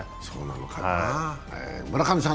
そうなのかな。